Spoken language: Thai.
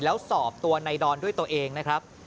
แล้วสอบตัวในดอนด้วยตัวเองนะครับ